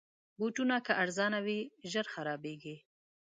بوټونه که ارزانه وي، ژر خرابیږي.